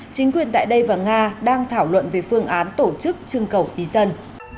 chính quyền tại đây và nga đang thảo luận về phương án tổ chức trưng cầu ý dân